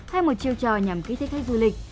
hay một chiêu trò nhằm kích thích khách du lịch